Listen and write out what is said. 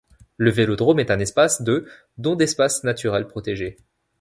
Le Vélodrome est un espace de dont d’espace naturel protégé.